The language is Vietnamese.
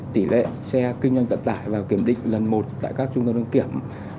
tỷ lệ xe kinh doanh vận tải vào kiểm định lần một tại các trung tâm đăng kiểm